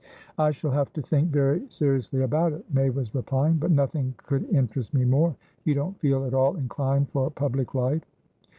"I shall have to think very seriously about it," May was replying. "But nothing could interest me more. You don't feel at all inclined for public life?"